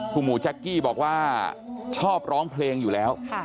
หมูแจ๊กกี้บอกว่าชอบร้องเพลงอยู่แล้ว